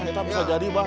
itu bisa jadi bang